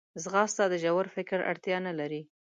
ځغاسته د ژور فکر اړتیا نه لري